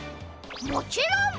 もちろん！